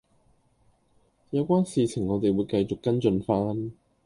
有關事情我哋會繼續跟進番